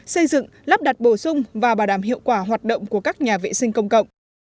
xây dựng lắp đặt bổ sung và bảo đảm hiệu quả hoạt động của các nhà vệ sinh công cộng